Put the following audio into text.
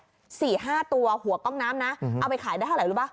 สี่ห้าตัวหัวกล้องน้ำนะเอาไปขายได้เท่าไหรรู้ป่